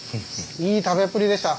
いい食べっぷりでした。